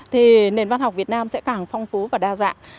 thì nền văn học việt nam sẽ càng phong phú và đa dạng